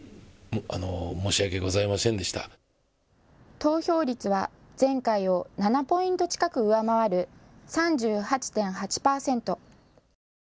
投票率は前回を７ポイント近く上回る３８．８％。